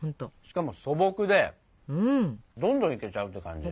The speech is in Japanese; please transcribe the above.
しかも素朴でどんどんいけちゃうって感じ。